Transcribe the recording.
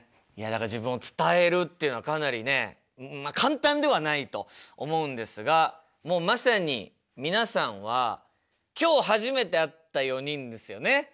いやだから自分を伝えるっていうのはかなりね簡単ではないと思うんですがもうまさに皆さんは今日初めて会った４人ですよね？